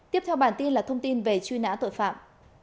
tiếp theo bản tin là thông tin về truy nã tội phạm